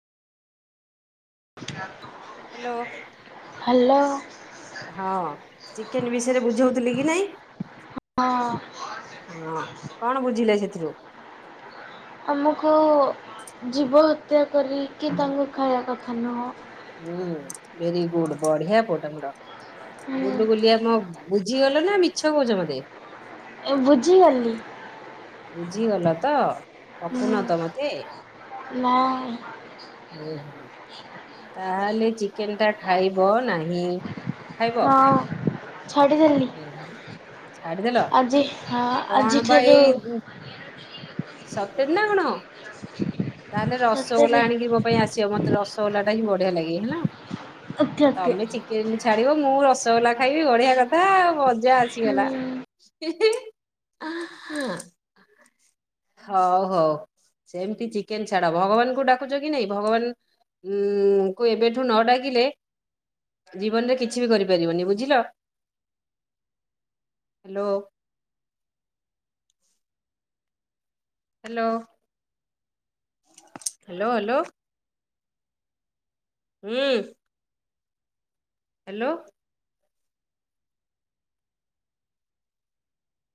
ଆ hello ଲୋ ହଁ chicken ବିଷୟରେ ବୁଝଉଥିଲି କି ନାଇଁ ହଁ ହଁ କଣ ବୁଝିଲେ ସେଥିରୁ ହ [inaudible] ଆମକୁ ଜୀବ ହତ୍ୟା କରିକି ତାଙ୍କୁ ଖାଇବାକୁ ହାଲୋ ହୁଁ ଭେରି ଗୁଡ ବଢିଆ ପୁଅଟା ମୋର। ଗୁଲୁ ହୁଁ ଗୁଲିଆ ମ ବ ଜି ହେଲ ନା ମିଛ କହୁଚ ମତେ। ବୁଝିଗଲି। ବୁଝିଗଲ ତ। ହୁଁ ଠକୁନ ତ ମତେ ନାଇଁ ହୁଁ ହୁଁ ତାହେଲେ ଚିକେନ ଟା ଖାଇବ ନାହିଁ ଖାଇବ [inaudible] ହଁ ଛାଡ଼ିଦେଲିି ହୁଁ ଛାଡିଦେଲ ଆଜି ହଁ ଆଜିଠାରୁ ସତରେ ନା କଣ ତାହେଲେ ରସଗୋଲା ସତରେ ଆଣିକି ମୋ ପାଇଁ ଆସିବ ମତେ ରସଗୋଲା ଟା ହିଁ ବଢ଼ିଆ ବଢ଼ିଆ ଲାଗେ ହେଲା। ଓକେ ଓକେ ତମେ ଚିକେନ ଛାଡ଼ିବ ମୁଁ ରସଗୋଲା ଖାଇବି ବଢ଼ିଆ କଥା ଆଉ ମଜା ଆସିଗଲା। ହୁଁ ହିଁ ହିଁ ହିଁ ଆହା ହଉ ହଉ ସେମିତି ଚିକେନ ଛାଡ଼ ଭଗବାନଙ୍କୁ ଡାକୁଛ କି ନାଇଁ ଭଗବାନଙ୍କୁ ଏବେଠୁ ନ ଡାକିଲେ ଜୀବନରେ କିଛି ବି କରିପାରିବନି ବୁଝିଲ ହାଲୋ ହାଲୋ ହ୍ୟାଲୋ ହ୍ୟାଲୋ ହୁଁ। ହାଲୋ।